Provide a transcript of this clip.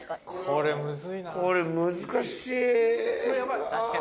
これ難しい。